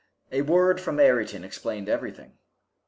A word from Ayrton explained everything.